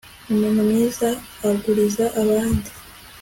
umuntu mwiza aguriza abandi